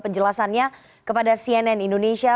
penjelasannya kepada cnn indonesia